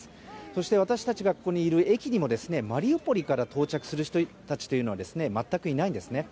そして私たちがいる駅にもマリウポリから到着する人たちは全くいないんですね。